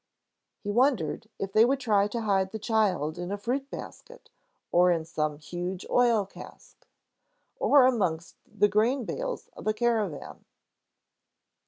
He wondered if they would try to hide the child in a fruit basket or in some huge oil cask, or amongst the grain bales of a caravan.